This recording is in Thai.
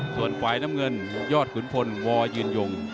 ส่วนฝ่ายน้ำเงินยอดขุนพลวยืนยง